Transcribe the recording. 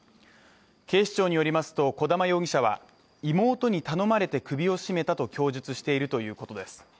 警視庁によりますと小玉容疑者は妹の頼まれて首を絞めたと供述しているということです。